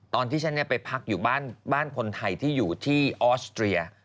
ตอนที่ฉันไปพักอยู่บ้านคนไทยที่อยู่ที่ออสเตรีย